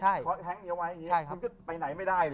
มันก็เพทักเหนียวไว้อย่างนี้อะไรไม่ได้เลย